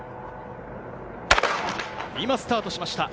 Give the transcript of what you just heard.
今、スタートしました。